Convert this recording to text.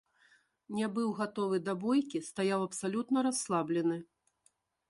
Не быў гатовы да бойкі, стаяў абсалютна расслаблены.